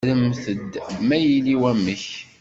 Rremt-d ma yili wamek.